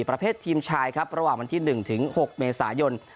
ประเภททีมชายครับระหว่างวันที่๑ถึง๖เมษายน